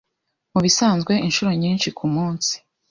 Mubisanzwe inshuro nyinshi kumunsi